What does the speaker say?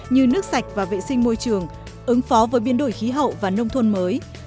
như nước sạch và vệ sinh môi trường ứng phó với biến đổi khí hậu và nông thôn mới